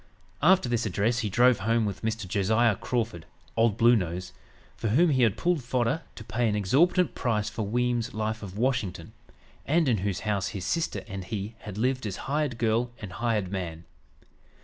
After this address he drove home with Mr. Josiah Crawford "Old Blue Nose" for whom he had "pulled fodder" to pay an exorbitant price for Weems's "Life of Washington," and in whose house his sister and he had lived as hired girl and hired man.